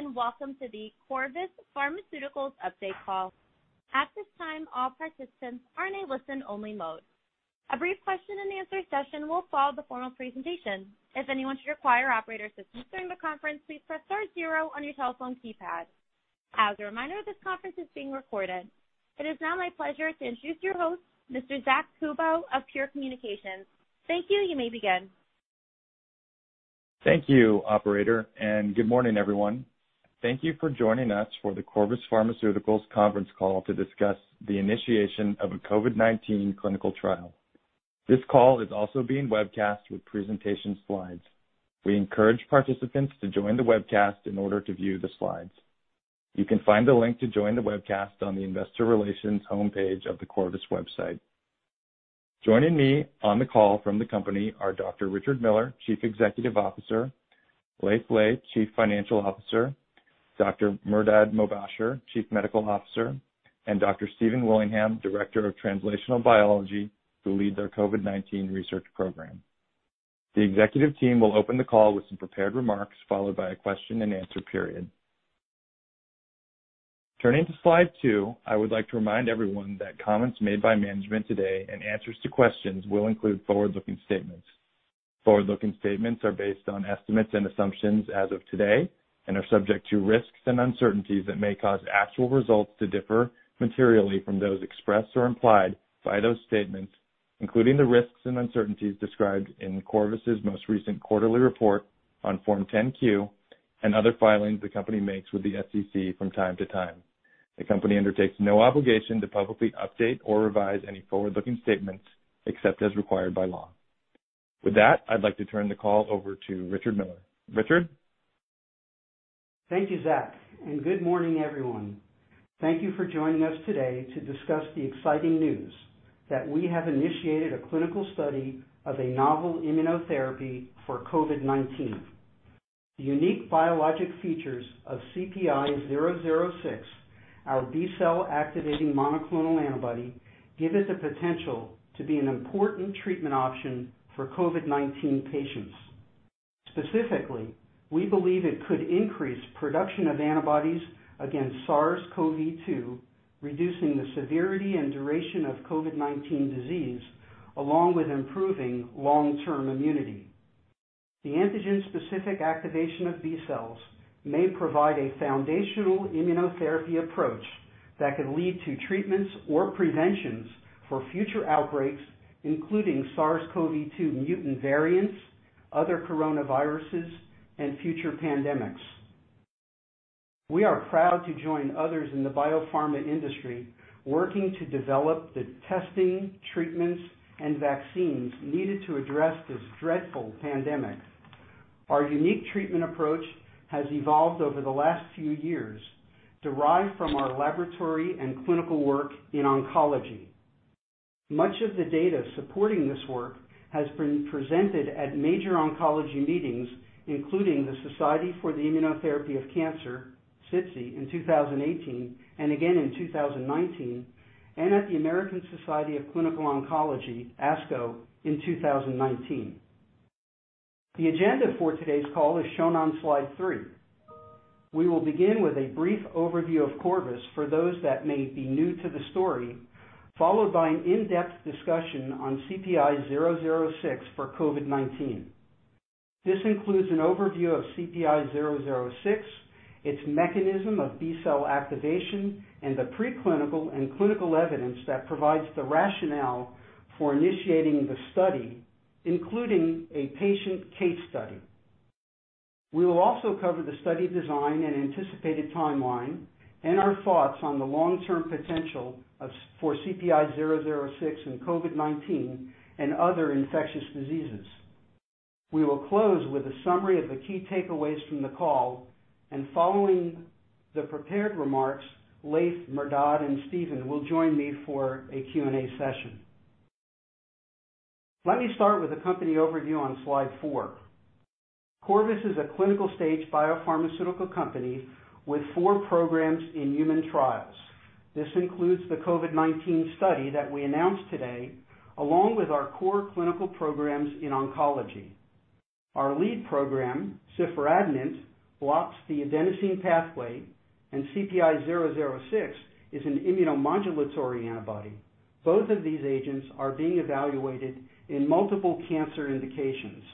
Greetings, and welcome to the Corvus Pharmaceuticals update call. At this time, all participants are in a listen-only mode. A brief question and answer session will follow the formal presentation. If anyone should require operator assistance during the conference, please press star zero on your telephone keypad. As a reminder, this conference is being recorded. It is now my pleasure to introduce your host, Mr. Zack Kubow of Real Chemistry. Thank you. You may begin. Thank you, operator, and good morning, everyone. Thank you for joining us for the Corvus Pharmaceuticals conference call to discuss the initiation of a COVID-19 clinical trial. This call is also being webcast with presentation slides. We encourage participants to join the webcast in order to view the slides. You can find the link to join the webcast on the investor relations homepage of the Corvus website. Joining me on the call from the company are Dr. Richard Miller, Chief Executive Officer, Leiv Lea, Chief Financial Officer, Dr. Mehrdad Mobasher, Chief Medical Officer, and Dr. Stephen Willingham, Director of Translational Biology, who lead their COVID-19 research program. The executive team will open the call with some prepared remarks, followed by a question and answer period. Turning to slide two, I would like to remind everyone that comments made by management today and answers to questions will include forward-looking statements. Forward-looking statements are based on estimates and assumptions as of today and are subject to risks and uncertainties that may cause actual results to differ materially from those expressed or implied by those statements, including the risks and uncertainties described in Corvus' most recent quarterly report on Form 10-Q and other filings the company makes with the SEC from time to time. The company undertakes no obligation to publicly update or revise any forward-looking statements, except as required by law. With that, I'd like to turn the call over to Richard Miller. Richard? Thank you, Zack, and good morning, everyone. Thank you for joining us today to discuss the exciting news that we have initiated a clinical study of a novel immunotherapy for COVID-19. The unique biologic features of CPI-006, our B cell activating monoclonal antibody, give us the potential to be an important treatment option for COVID-19 patients. Specifically, we believe it could increase production of antibodies against SARS-CoV-2, reducing the severity and duration of COVID-19 disease, along with improving long-term immunity. The antigen-specific activation of B cells may provide a foundational immunotherapy approach that could lead to treatments or preventions for future outbreaks, including SARS-CoV-2 mutant variants, other coronaviruses, and future pandemics. We are proud to join others in the biopharma industry, working to develop the testing, treatments, and vaccines needed to address this dreadful pandemic. Our unique treatment approach has evolved over the last few years, derived from our laboratory and clinical work in oncology. Much of the data supporting this work has been presented at major oncology meetings, including the Society for Immunotherapy of Cancer, SITC, in 2018 and again in 2019, and at the American Society of Clinical Oncology, ASCO, in 2019. The agenda for today's call is shown on slide three. We will begin with a brief overview of Corvus for those that may be new to the story, followed by an in-depth discussion on CPI-006 for COVID-19. This includes an overview of CPI-006, its mechanism of B cell activation, and the preclinical and clinical evidence that provides the rationale for initiating the study, including a patient case study. We will also cover the study design and anticipated timeline and our thoughts on the long-term potential for CPI-006 in COVID-19 and other infectious diseases. We will close with a summary of the key takeaways from the call, and following the prepared remarks, Leiv, Mehrdad, and Stephen will join me for a Q&A session. Let me start with a company overview on slide four. Corvus is a clinical stage biopharmaceutical company with four programs in human trials. This includes the COVID-19 study that we announced today, along with our core clinical programs in oncology. Our lead program, ciforadenant, blocks the adenosine pathway, and CPI-006 is an immunomodulatory antibody. Both of these agents are being evaluated in multiple cancer indications.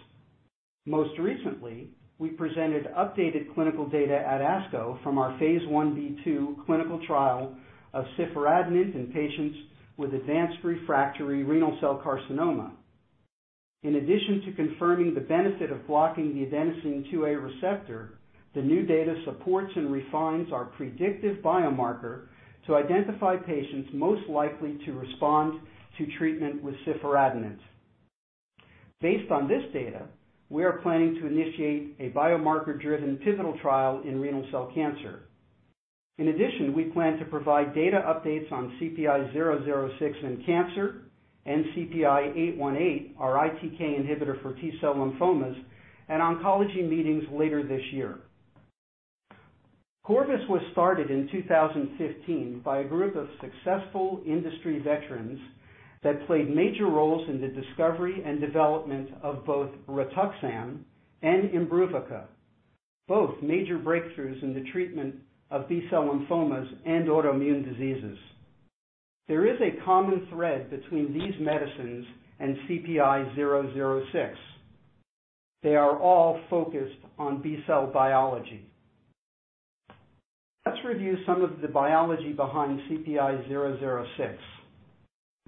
Most recently, we presented updated clinical data at ASCO from our Phase I-B/II clinical trial of ciforadenant in patients with advanced refractory renal cell carcinoma. In addition to confirming the benefit of blocking the adenosine A2A receptor, the new data supports and refines our predictive biomarker to identify patients most likely to respond to treatment with ciforadenant. Based on this data, we are planning to initiate a biomarker-driven pivotal trial in renal cell cancer. In addition, we plan to provide data updates on CPI-006 in cancer and CPI-818, our ITK inhibitor for T-cell lymphomas, at oncology meetings later this year. Corvus was started in 2015 by a group of successful industry veterans that played major roles in the discovery and development of both Rituxan and IMBRUVICA, both major breakthroughs in the treatment of B-cell lymphomas and autoimmune diseases. There is a common thread between these medicines and CPI-006. They are all focused on B-cell biology. Let's review some of the biology behind CPI-006.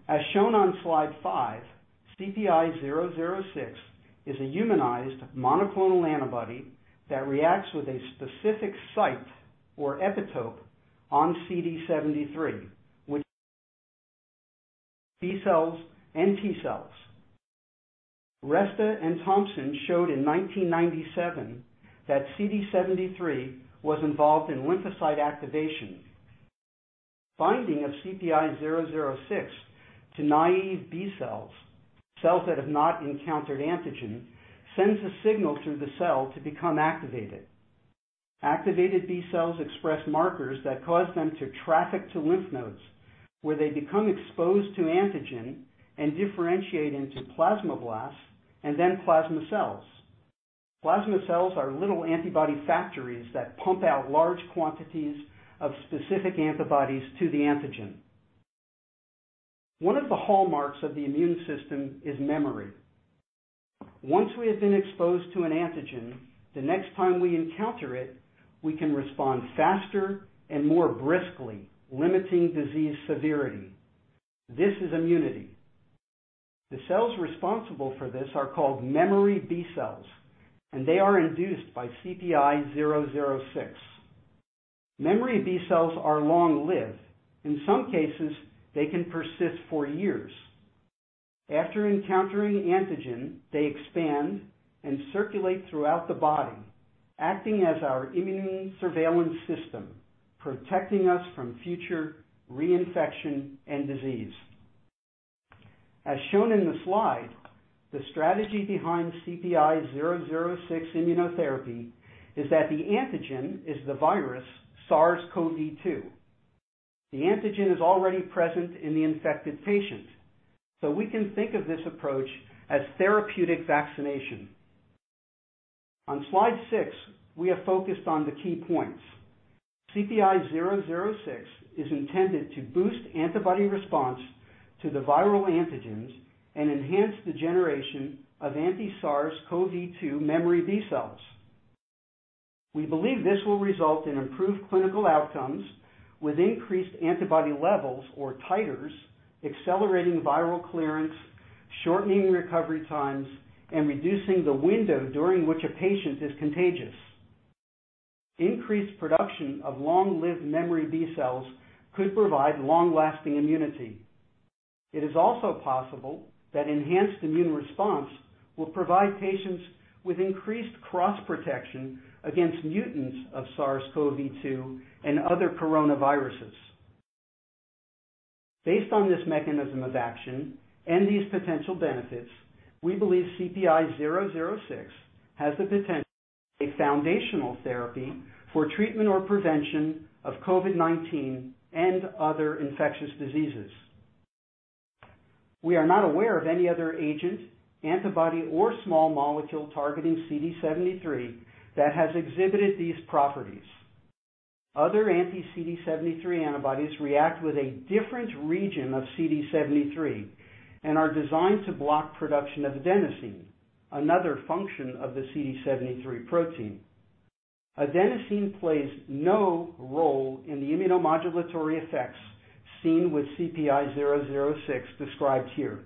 As shown on slide five, CPI-006 is a humanized monoclonal antibody that reacts with a specific site or epitope on CD73, which B cells and T cells. Resta and Thompson showed in 1997 that CD73 was involved in lymphocyte activation. Binding of CPI-006 to naive B cells that have not encountered antigen, sends a signal through the cell to become activated. Activated B cells express markers that cause them to traffic to lymph nodes, where they become exposed to antigen and differentiate into plasmablasts, and then plasma cells. Plasma cells are little antibody factories that pump out large quantities of specific antibodies to the antigen. One of the hallmarks of the immune system is memory. Once we have been exposed to an antigen, the next time we encounter it, we can respond faster and more briskly, limiting disease severity. This is immunity. The cells responsible for this are called memory B cells, and they are induced by CPI-006. Memory B cells are long-lived. In some cases, they can persist for years. After encountering antigen, they expand and circulate throughout the body, acting as our immune surveillance system, protecting us from future reinfection and disease. As shown in the slide, the strategy behind CPI-006 immunotherapy is that the antigen is the virus SARS-CoV-2. The antigen is already present in the infected patient, we can think of this approach as therapeutic vaccination. On slide six, we have focused on the key points. CPI-006 is intended to boost antibody response to the viral antigens and enhance the generation of anti-SARS-CoV-2 memory B cells. We believe this will result in improved clinical outcomes with increased antibody levels or titers, accelerating viral clearance, shortening recovery times, and reducing the window during which a patient is contagious. Increased production of long-lived memory B cells could provide long-lasting immunity. It is also possible that enhanced immune response will provide patients with increased cross-protection against mutants of SARS-CoV-2 and other coronaviruses. Based on this mechanism of action and these potential benefits, we believe CPI-006 has the potential to be a foundational therapy for treatment or prevention of COVID-19 and other infectious diseases. We are not aware of any other agent, antibody, or small molecule targeting CD73 that has exhibited these properties. Other anti-CD73 antibodies react with a different region of CD73 and are designed to block production of adenosine, another function of the CD73 protein. Adenosine plays no role in the immunomodulatory effects seen with CPI-006 described here.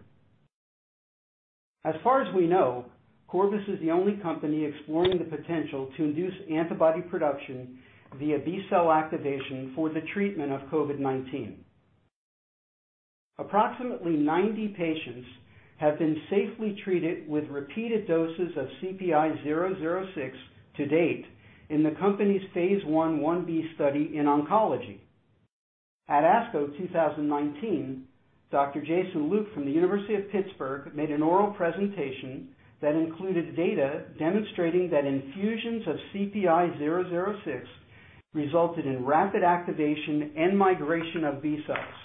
As far as we know, Corvus is the only company exploring the potential to induce antibody production via B-cell activation for the treatment of COVID-19. Approximately 90 patients have been safely treated with repeated doses of CPI-006 to date in the company's Phase I/I-B study in oncology. At ASCO 2019, Dr. Jason Luke from the University of Pittsburgh made an oral presentation that included data demonstrating that infusions of CPI-006 resulted in rapid activation and migration of B cells.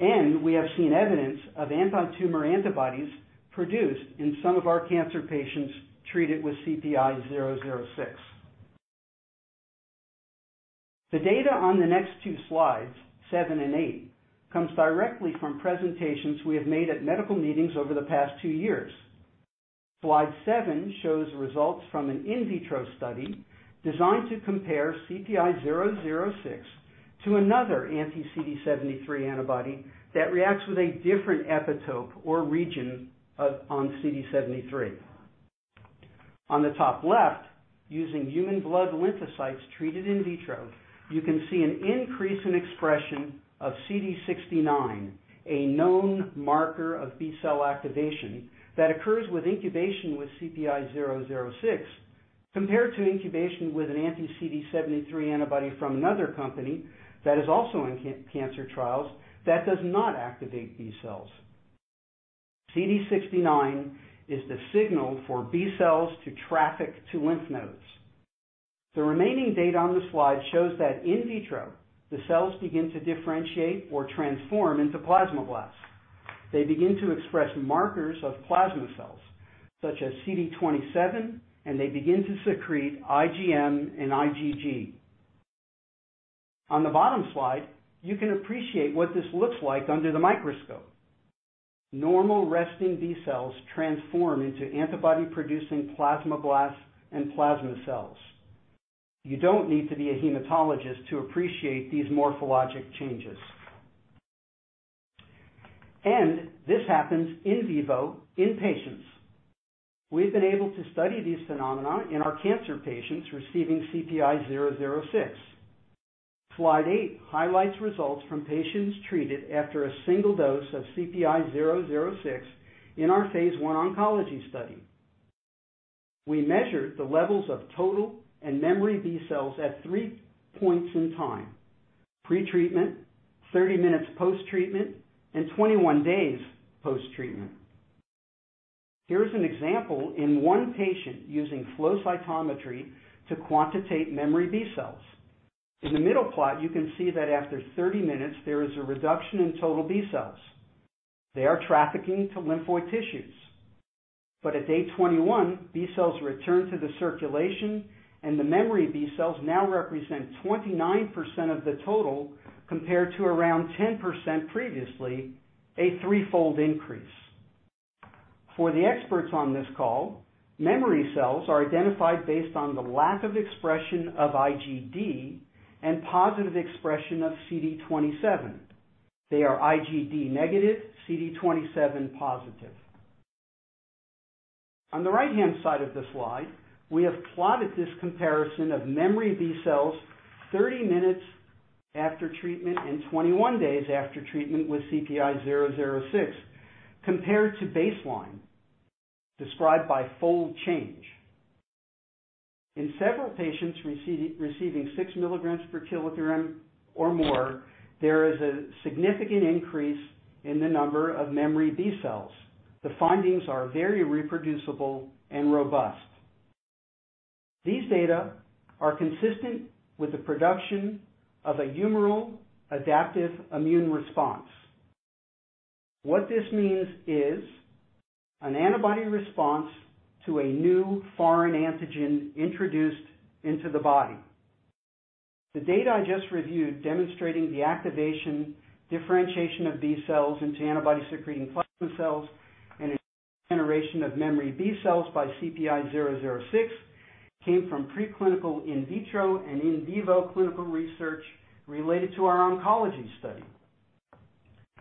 We have seen evidence of anti-tumor antibodies produced in some of our cancer patients treated with CPI-006. The data on the next two slides, seven and eight, comes directly from presentations we have made at medical meetings over the past two years. Slide seven shows results from an in vitro study designed to compare CPI-006 to another anti-CD73 antibody that reacts with a different epitope or region on CD73. On the top left, using human blood lymphocytes treated in vitro, you can see an increase in expression of CD69, a known marker of B-cell activation that occurs with incubation with CPI-006 compared to incubation with an anti-CD73 antibody from another company that is also in cancer trials that does not activate B cells. CD69 is the signal for B cells to traffic to lymph nodes. The remaining data on the slide shows that in vitro, the cells begin to differentiate or transform into plasmablasts. They begin to express markers of plasma cells, such as CD27, and they begin to secrete IgM and IgG. On the bottom slide, you can appreciate what this looks like under the microscope. Normal resting B cells transform into antibody-producing plasmablasts and plasma cells. You don't need to be a hematologist to appreciate these morphologic changes. This happens in vivo in patients. We've been able to study these phenomena in our cancer patients receiving CPI-006. Slide eight highlights results from patients treated after a single dose of CPI-006 in our phase I oncology study. We measured the levels of total and memory B cells at three points in time, pretreatment, 30 minutes post-treatment, and 21 days post-treatment. Here's an example in one patient using flow cytometry to quantitate memory B cells. In the middle plot, you can see that after 30 minutes, there is a reduction in total B cells. They are trafficking to lymphoid tissues. At day 21, B cells return to the circulation, and the memory B cells now represent 29% of the total compared to around 10% previously, a threefold increase. For the experts on this call, memory cells are identified based on the lack of expression of IgD and positive expression of CD27. They are IgD negative, CD27 positive. On the right-hand side of the slide, we have plotted this comparison of memory B cells 30 minutes after treatment and 21 days after treatment with CPI-006 compared to baseline described by fold change. In several patients receiving 6 milligrams per kilogram or more, there is a significant increase in the number of memory B cells. The findings are very reproducible and robust. These data are consistent with the production of a humoral adaptive immune response. What this means is an antibody response to a new foreign antigen introduced into the body. The data I just reviewed demonstrating the activation, differentiation of B cells into antibody-secreting plasma cells, and generation of memory B cells by CPI-006 came from pre-clinical in vitro and in vivo clinical research related to our oncology study.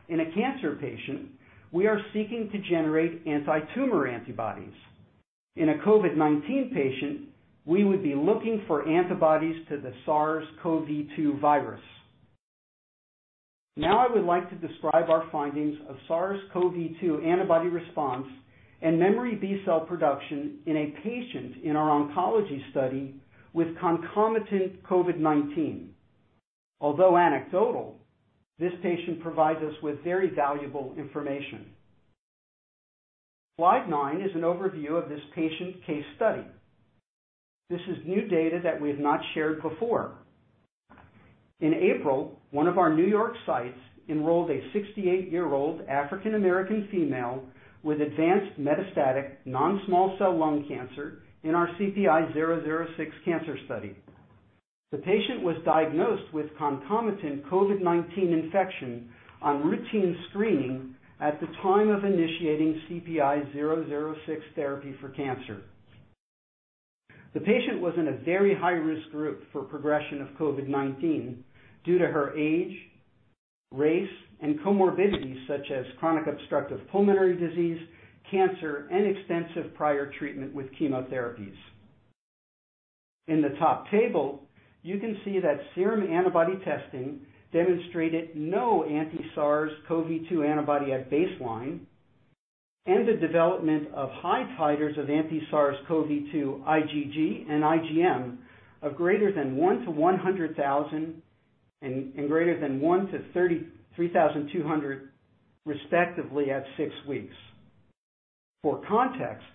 In a cancer patient, we are seeking to generate anti-tumor antibodies. In a COVID-19 patient, we would be looking for antibodies to the SARS-CoV-2 virus. Now I would like to describe our findings of SARS-CoV-2 antibody response and memory B cell production in a patient in our oncology study with concomitant COVID-19. Although anecdotal, this patient provides us with very valuable information. Slide nine is an overview of this patient case study. This is new data that we have not shared before. In April, one of our New York sites enrolled a 68-year-old African American female with advanced metastatic non-small cell lung cancer in our CPI-006 cancer study. The patient was diagnosed with concomitant COVID-19 infection on routine screening at the time of initiating CPI-006 therapy for cancer. The patient was in a very high-risk group for progression of COVID-19 due to her age, race, and comorbidities such as chronic obstructive pulmonary disease, cancer, and extensive prior treatment with chemotherapies. In the top table, you can see that serum antibody testing demonstrated no anti-SARS-CoV-2 antibody at baseline and the development of high titers of anti-SARS-CoV-2 IgG and IgM of greater than one to 100,000 and greater than 1-33,200, respectively, at six weeks. For context,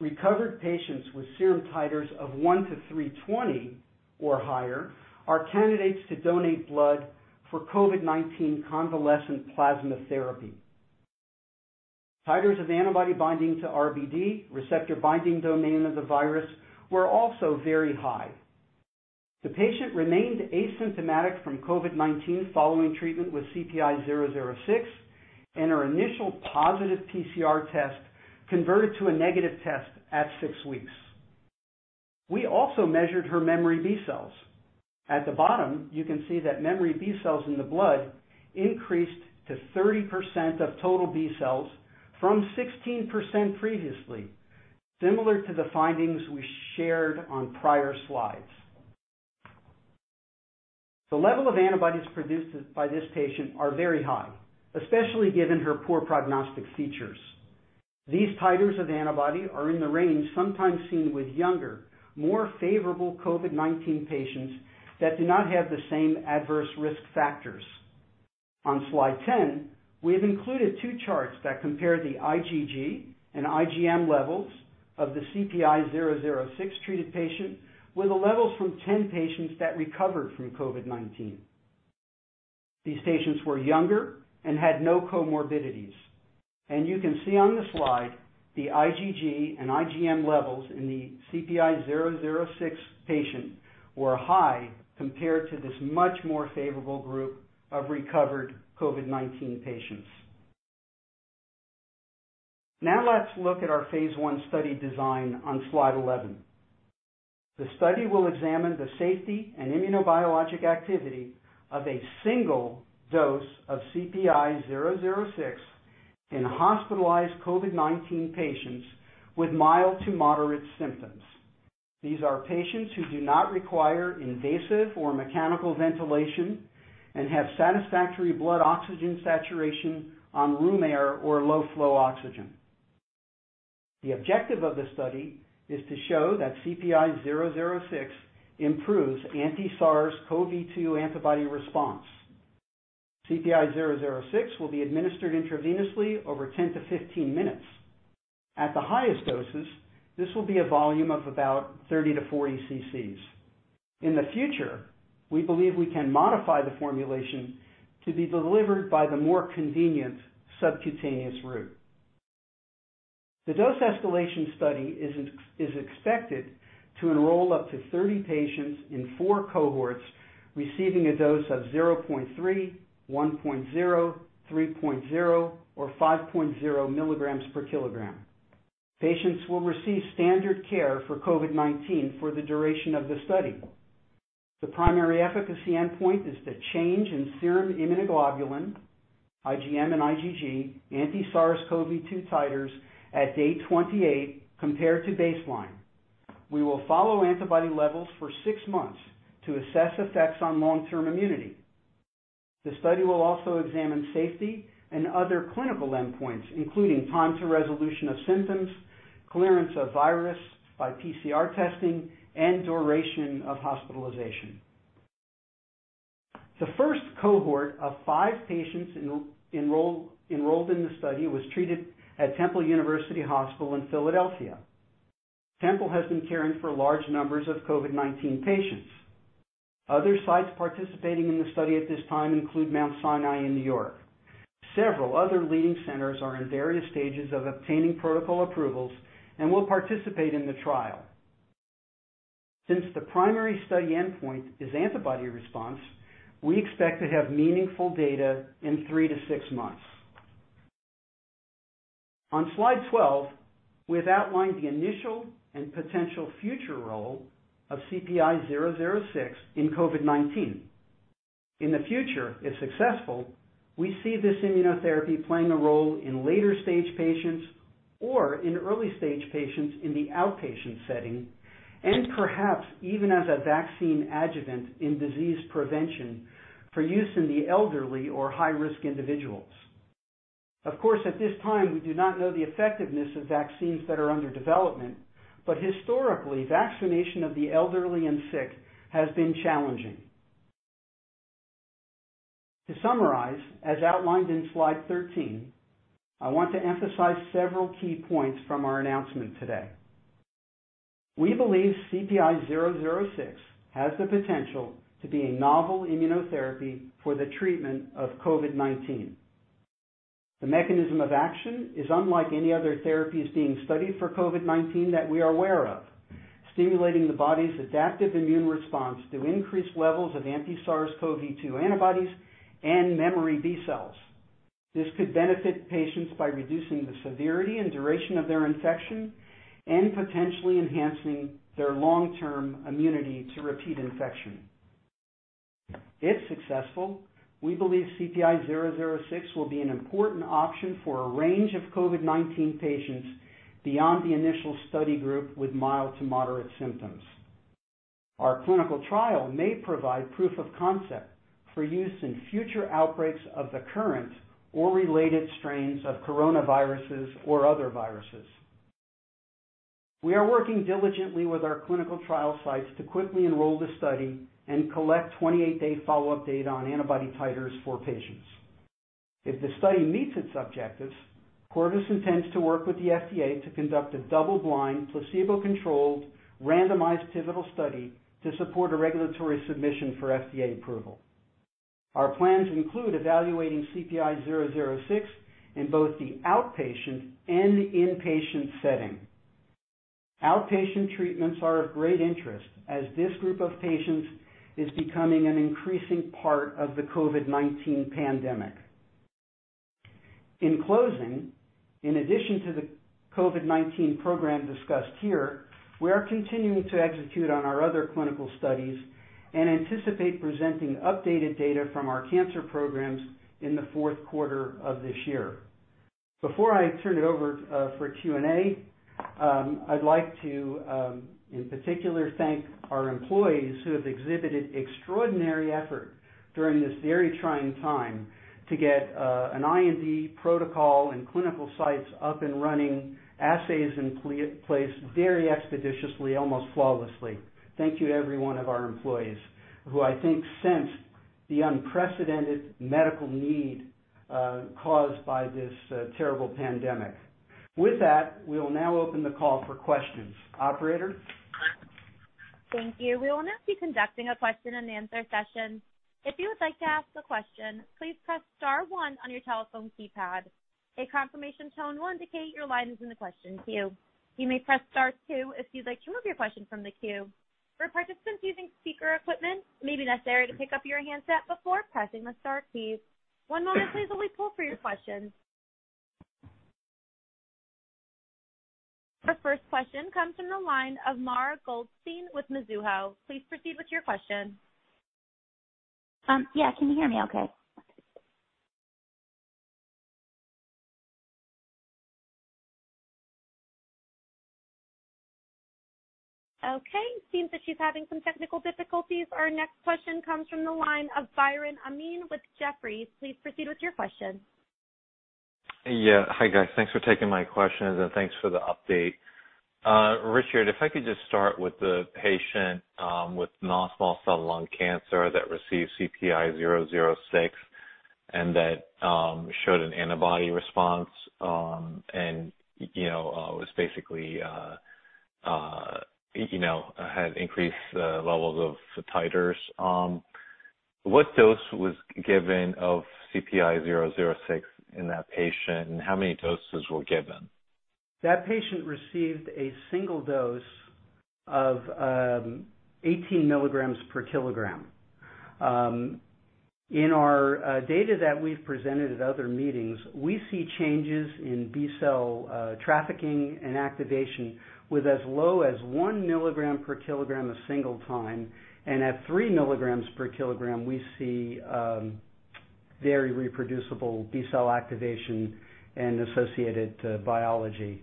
recovered patients with serum titers of one to 320 or higher are candidates to donate blood for COVID-19 convalescent plasma therapy. Titers of antibody binding to RBD, receptor binding domain of the virus, were also very high. The patient remained asymptomatic from COVID-19 following treatment with CPI-006, and her initial positive PCR test converted to a negative test at six weeks. We also measured her memory B cells. At the bottom, you can see that memory B cells in the blood increased to 30% of total B cells from 16% previously, similar to the findings we shared on prior slides. The level of antibodies produced by this patient are very high, especially given her poor prognostic features. These titers of antibody are in the range sometimes seen with younger, more favorable COVID-19 patients that do not have the same adverse risk factors. On slide 10, we have included two charts that compare the IgG and IgM levels of the CPI-006 treated patient with the levels from 10 patients that recovered from COVID-19. These patients were younger and had no comorbidities. You can see on the slide, the IgG and IgM levels in the CPI-006 patient were high compared to this much more favorable group of recovered COVID-19 patients. Now let's look at our phase I study design on slide 11. The study will examine the safety and immunobiologic activity of a single dose of CPI-006 in hospitalized COVID-19 patients with mild to moderate symptoms. These are patients who do not require invasive or mechanical ventilation and have satisfactory blood oxygen saturation on room air or low flow oxygen. The objective of the study is to show that CPI-006 improves anti-SARS-CoV-2 antibody response. CPI-006 will be administered intravenously over 10 to 15 minutes. At the highest doses, this will be a volume of about 30 to 40 ccs. In the future, we believe we can modify the formulation to be delivered by the more convenient subcutaneous route. The dose escalation study is expected to enroll up to 30 patients in four cohorts receiving a dose of 0.3, 1.0, 3.0, or 5.0 milligrams per kilogram. Patients will receive standard care for COVID-19 for the duration of the study. The primary efficacy endpoint is the change in serum immunoglobulin, IgM and IgG, anti-SARS-CoV-2 titers at day 28 compared to baseline. We will follow antibody levels for six months to assess effects on long-term immunity. The study will also examine safety and other clinical endpoints, including time to resolution of symptoms, clearance of virus by PCR testing, and duration of hospitalization. The first cohort of five patients enrolled in the study was treated at Temple University Hospital in Philadelphia. Temple has been caring for large numbers of COVID-19 patients. Other sites participating in the study at this time include Mount Sinai in New York. Several other leading centers are in various stages of obtaining protocol approvals and will participate in the trial. Since the primary study endpoint is antibody response, we expect to have meaningful data in three to six months. On slide 12, we've outlined the initial and potential future role of CPI-006 in COVID-19. In the future, if successful, we see this immunotherapy playing a role in later-stage patients or in early-stage patients in the outpatient setting, and perhaps even as a vaccine adjuvant in disease prevention for use in the elderly or high-risk individuals. Of course, at this time, we do not know the effectiveness of vaccines that are under development, but historically, vaccination of the elderly and sick has been challenging. To summarize, as outlined in slide 13, I want to emphasize several key points from our announcement today. We believe CPI-006 has the potential to be a novel immunotherapy for the treatment of COVID-19. The mechanism of action is unlike any other therapies being studied for COVID-19 that we are aware of, stimulating the body's adaptive immune response through increased levels of anti-SARS-CoV-2 antibodies and memory B cells. This could benefit patients by reducing the severity and duration of their infection and potentially enhancing their long-term immunity to repeat infection. If successful, we believe CPI-006 will be an important option for a range of COVID-19 patients beyond the initial study group with mild to moderate symptoms. Our clinical trial may provide proof of concept for use in future outbreaks of the current or related strains of coronaviruses or other viruses. We are working diligently with our clinical trial sites to quickly enroll the study and collect 28-day follow-up data on antibody titers for patients. If the study meets its objectives, Corvus intends to work with the FDA to conduct a double-blind, placebo-controlled, randomized pivotal study to support a regulatory submission for FDA approval. Our plans include evaluating CPI-006 in both the outpatient and the inpatient setting. Outpatient treatments are of great interest as this group of patients is becoming an increasing part of the COVID-19 pandemic. In closing, in addition to the COVID-19 program discussed here, we are continuing to execute on our other clinical studies and anticipate presenting updated data from our cancer programs in the fourth quarter of this year. Before I turn it over for Q&A, I'd like to, in particular, thank our employees who have exhibited extraordinary effort during this very trying time to get an IND protocol and clinical sites up and running, assays in place very expeditiously, almost flawlessly. Thank you to every one of our employees who I think sensed the unprecedented medical need caused by this terrible pandemic. With that, we'll now open the call for questions. Operator? Thank you. We will now be conducting a question and answer session. If you would like to ask a question, please press star one on your telephone keypad. A confirmation tone will indicate your line is in the question queue. You may press star two if you'd like to remove your question from the queue. For participants using speaker equipment, it may be necessary to pick up your handset before pressing the star keys. One moment, please, while we pull for your questions. Our first question comes from the line of Mara Goldstein with Mizuho. Please proceed with your question. Yeah. Can you hear me okay? Okay. Seems that she's having some technical difficulties. Our next question comes from the line of Biren Amin with Jefferies. Please proceed with your question. Yeah. Hi, guys. Thanks for taking my questions and thanks for the update. Richard, if I could just start with the patient with non-small cell lung cancer that received CPI-006 and that showed an antibody response and basically had increased levels of titers. What dose was given of CPI-006 in that patient, and how many doses were given? That patient received a single dose of 18 milligrams per kilogram. In our data that we've presented at other meetings, we see changes in B-cell trafficking and activation with as low as one milligram per kilogram a single time. At three milligrams per kilogram, we see very reproducible B-cell activation and associated biology.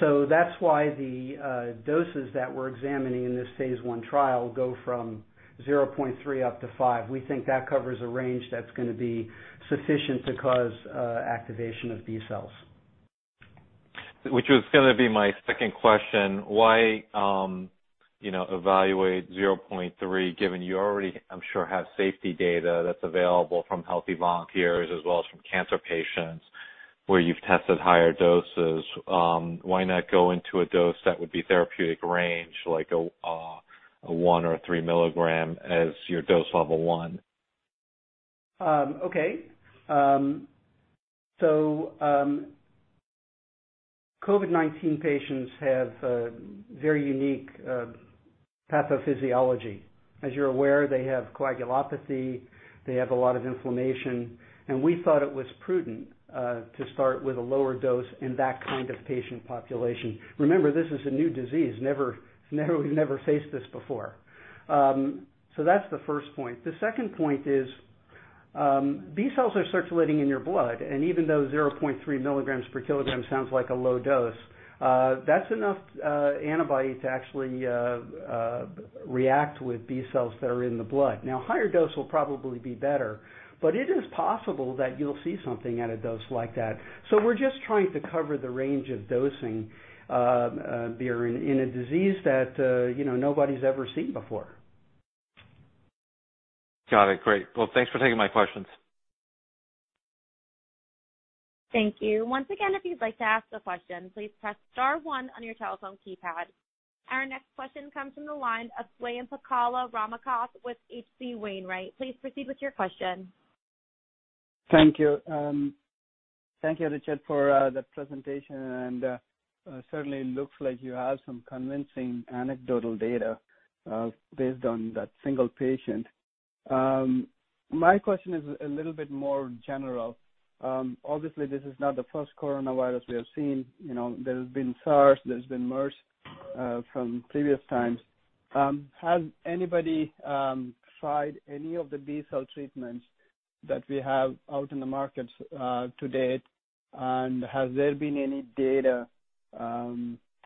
That's why the doses that we're examining in this phase I trial go from 0.3 up to five. We think that covers a range that's going to be sufficient to cause activation of B-cells. Which was going to be my second question. Why evaluate 0.3, given you already, I'm sure, have safety data that's available from healthy volunteers as well as from cancer patients where you've tested higher doses? Why not go into a dose that would be therapeutic range, like a 1 or 3 milligram as your dose level 1? Okay. COVID-19 patients have very unique pathophysiology. As you're aware, they have coagulopathy, they have a lot of inflammation, and we thought it was prudent to start with a lower dose in that kind of patient population. Remember, this is a new disease. We've never faced this before. That's the first point. The second point is B cells are circulating in your blood, and even though 0.3 milligrams per kilogram sounds like a low dose, that's enough antibody to actually react with B cells that are in the blood. Now, higher dose will probably be better, but it is possible that you'll see something at a dose like that. We're just trying to cover the range of dosing, Biren, in a disease that nobody's ever seen before. Got it. Great. Thanks for taking my questions. Thank you. Once again, if you'd like to ask a question, please press star one on your telephone keypad. Our next question comes from the line of Swayampakula Ramakanth with H.C. Wainwright. Please proceed with your question. Thank you. Thank you, Richard, for the presentation, and certainly looks like you have some convincing anecdotal data based on that single patient. My question is a little bit more general. Obviously, this is not the first coronavirus we have seen. There's been SARS, there's been MERS from previous times. Has anybody tried any of the B-cell treatments that we have out in the market to date? Has there been any data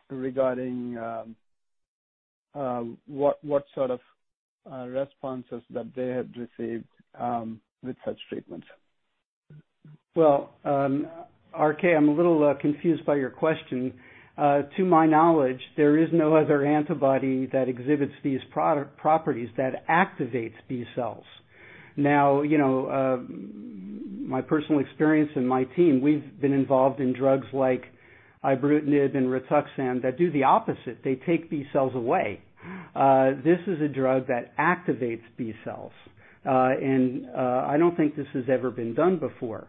regarding what sort of responses that they have received with such treatments? Well, RK, I'm a little confused by your question. To my knowledge, there is no other antibody that exhibits these properties that activates B cells. Now, my personal experience in my team, we've been involved in drugs like ibrutinib and rituximab that do the opposite. They take B cells away. This is a drug that activates B cells. I don't think this has ever been done before.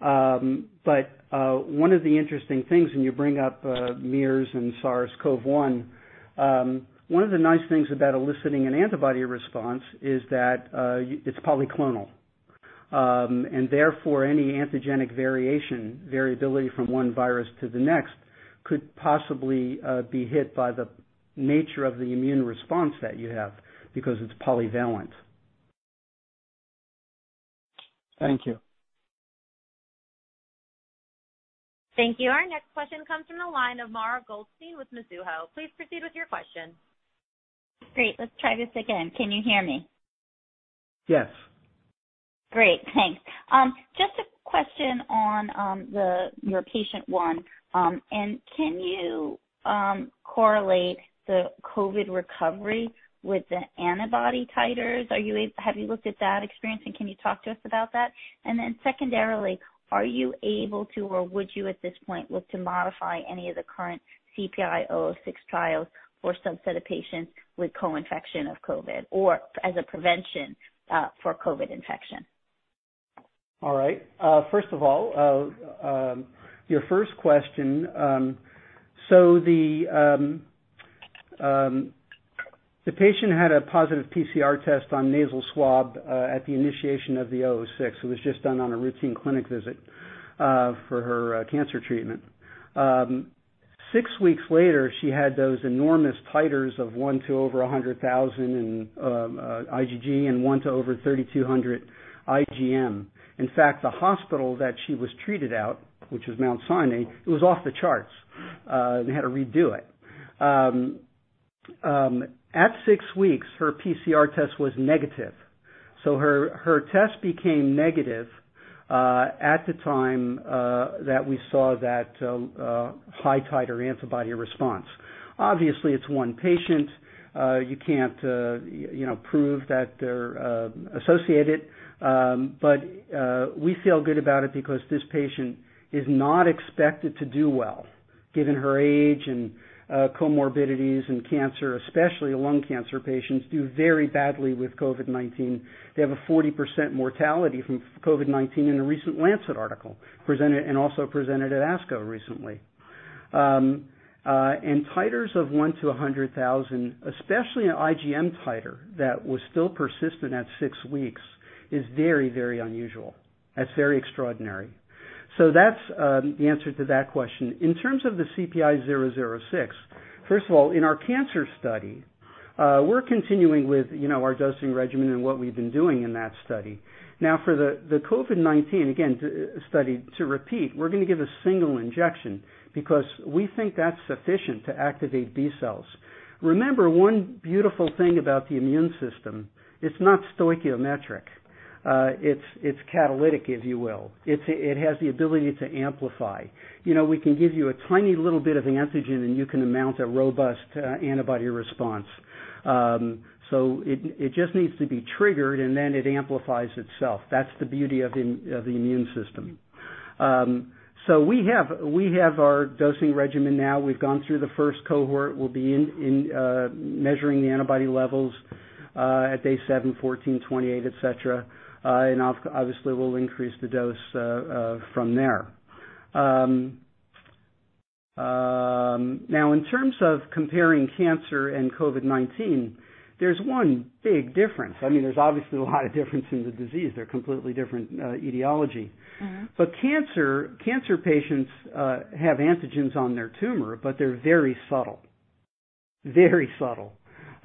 One of the interesting things, and you bring up MERS and SARS-CoV-1, one of the nice things about eliciting an antibody response is that it's polyclonal. Therefore, any antigenic variation, variability from one virus to the next could possibly be hit by the nature of the immune response that you have because it's polyvalent. Thank you. Thank you. Our next question comes from the line of Mara Goldstein with Mizuho. Please proceed with your question. Great. Let's try this again. Can you hear me? Yes. Great, thanks. Just a question on your patient one. Can you correlate the COVID recovery with the antibody titers? Have you looked at that experience, and can you talk to us about that? Secondarily, are you able to, or would you at this point look to modify any of the current CPI-006 trials for a subset of patients with co-infection of COVID or as a prevention for COVID infection? All right. First of all, your first question. The patient had a positive PCR test on nasal swab at the initiation of the 006. It was just done on a routine clinic visit for her cancer treatment. 6 weeks later, she had those enormous titers of one to over 100,000 in IgG and one to over 3,200 IgM. In fact, the hospital that she was treated at, which was Mount Sinai, it was off the charts. They had to redo it. At 6 weeks, her PCR test was negative. Her test became negative at the time that we saw that high titer antibody response. Obviously, it's one patient. You can't prove that they're associated. We feel good about it because this patient is not expected to do well, given her age and comorbidities and cancer, especially lung cancer patients do very badly with COVID-19. They have a 40% mortality from COVID-19 in a recent Lancet article, and also presented at ASCO recently. Titers of one to 100,000, especially an IgM titer that was still persistent at six weeks, is very unusual. That's very extraordinary. That's the answer to that question. In terms of the CPI-006, first of all, in our cancer study, we're continuing with our dosing regimen and what we've been doing in that study. Now for the COVID-19 study to repeat, we're going to give a single injection because we think that's sufficient to activate B cells. Remember one beautiful thing about the immune system, it's not stoichiometric. It's catalytic, if you will. It has the ability to amplify. We can give you a tiny little bit of antigen, and you can amount a robust antibody response. It just needs to be triggered, and then it amplifies itself. That's the beauty of the immune system. We have our dosing regimen now. We've gone through the first cohort. We'll be measuring the antibody levels at day seven, 14, 28, et cetera, and obviously we'll increase the dose from there. In terms of comparing cancer and COVID-19, there's one big difference. There's obviously a lot of difference in the disease. They're completely different etiology. Cancer patients have antigens on their tumor, but they're very subtle.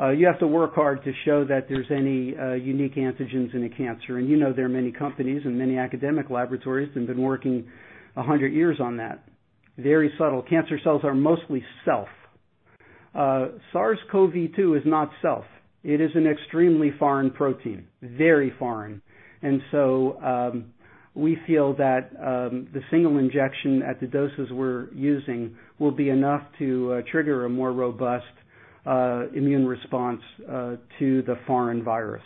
You have to work hard to show that there's any unique antigens in a cancer. You know there are many companies and many academic laboratories that have been working 100 years on that. Very subtle. Cancer cells are mostly self. SARS-CoV-2 is not self. It is an extremely foreign protein, very foreign. We feel that the single injection at the doses we're using will be enough to trigger a more robust immune response to the foreign virus.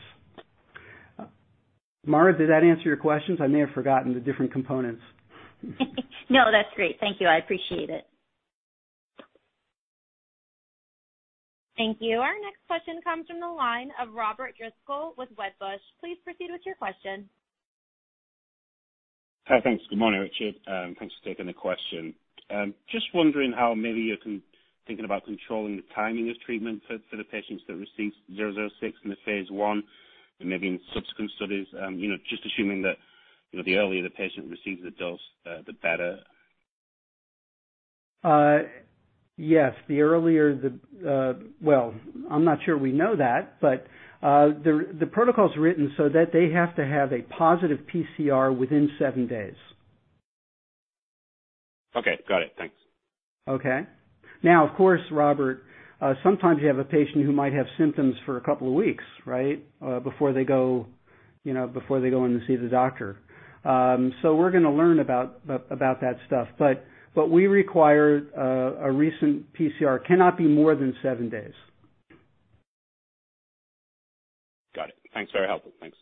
Mara, did that answer your questions? I may have forgotten the different components. No, that's great. Thank you. I appreciate it. Thank you. Our next question comes from the line of Robert Driscoll with Wedbush. Please proceed with your question. Hi, thanks. Good morning, Richard. Thanks for taking the question. Just wondering how maybe you're thinking about controlling the timing of treatment for the patients that received CPI-006 in the phase I and maybe in subsequent studies? Just assuming that the earlier the patient receives the dose, the better. Yes. Well, I'm not sure we know that, but the protocol's written so that they have to have a positive PCR within seven days. Okay, got it. Thanks. Okay. Of course, Robert, sometimes you have a patient who might have symptoms for a couple of weeks before they go in to see the doctor. We're going to learn about that stuff. We require a recent PCR, cannot be more than seven days. Got it. Thanks. Very helpful. Thanks.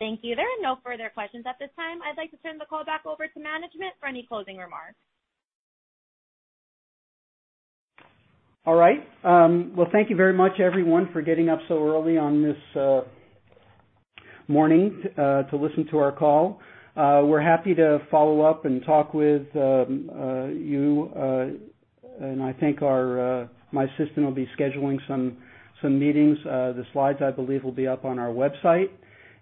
Thank you. There are no further questions at this time. I'd like to turn the call back over to management for any closing remarks. All right. Well, thank you very much everyone for getting up so early on this morning to listen to our call. We're happy to follow up and talk with you. I think my assistant will be scheduling some meetings. The slides, I believe, will be up on our website.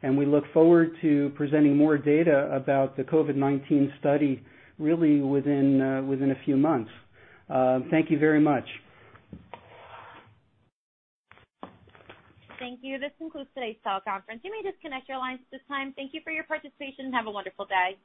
We look forward to presenting more data about the COVID-19 study really within a few months. Thank you very much. Thank you. This concludes today's call conference. You may disconnect your lines at this time. Thank you for your participation and have a wonderful day.